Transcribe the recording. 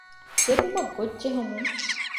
ދެބުމަގޮށް ޖެހެމުން